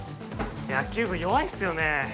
野球部弱いっすよね